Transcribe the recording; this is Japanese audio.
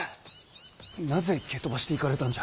なぜ蹴飛ばしていかれたんじゃ。